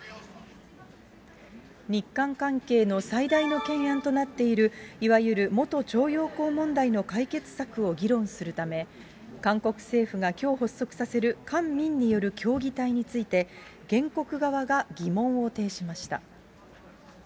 日韓関係の最大の懸案となっているいわゆる元徴用工問題の解決策を議論するため、韓国政府がきょう発足させる官民による協議体について、原告側が疑問を呈しました。